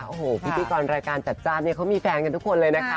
โอ้โหพิธีกรรายการจัดจ้านเนี่ยเขามีแฟนกันทุกคนเลยนะคะ